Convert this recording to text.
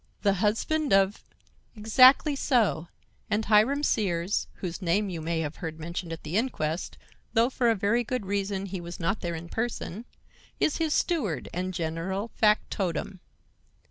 The husband of—" "Exactly so, and Hiram Sears, whose name you may have heard mentioned at the inquest, though for a very good reason he was not there in person, is his steward and general factotum."